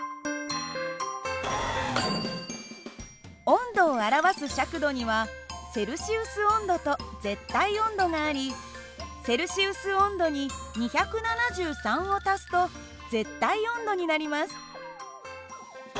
温度を表す尺度にはセルシウス温度と絶対温度がありセルシウス温度に２７３を足すと絶対温度になります。